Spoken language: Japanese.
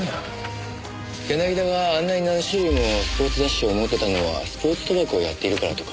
柳田があんなに何種類もスポーツ雑誌を持ってたのはスポーツ賭博をやっているからとか。